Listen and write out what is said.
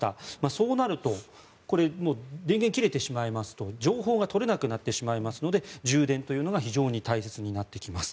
そうなるともう電源が切れてしまいますと情報が取れなくなってしまいますので充電というのが非常に大切になってきます。